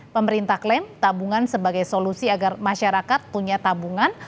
pemerintah klaim tabungan sebagai solusi agar masyarakat punya tabungan